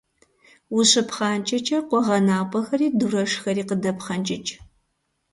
Ущыпхъанкӏэкӏэ, къуэгъэнапӏэхэри дурэшхэри къыдэпхъэнкӏыкӏ.